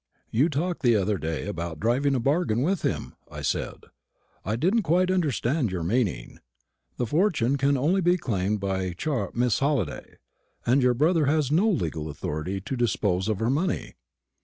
"You talked the other day about driving a bargain with him," I said; "I didn't quite understand your meaning. The fortune can only be claimed by Char Miss Halliday, and your brother has no legal authority to dispose of her money."